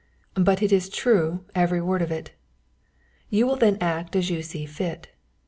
_ "_But it is true every word of it. You will then act as you see fit.